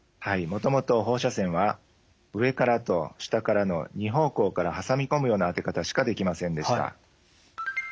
もともと放射線は上からと下からの２方向から挟み込むような当て方しかできませんでした。